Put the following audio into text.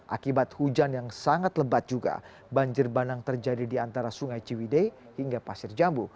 akibat hujan yang sangat lebat juga banjir bandang terjadi di antara sungai ciwidei hingga pasir jambu